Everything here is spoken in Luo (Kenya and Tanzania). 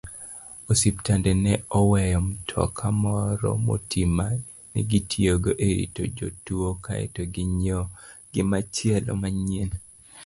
Osiptende ne oweyo mtoka moro moti ma negitiyogo erito jotuwo kaeto ginyiewo gimachielo manyien.